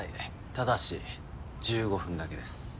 ただし１５分だけです。